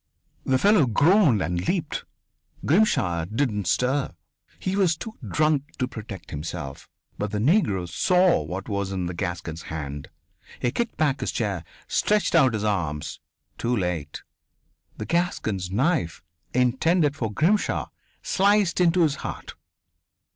The fellow groaned and leaped. Grimshaw didn't stir he was too drunk to protect himself. But the Negro saw what was in the Gascon's hand. He kicked back his chair, stretched out his arms too late. The Gascon's knife, intended for Grimshaw, sliced into his heart.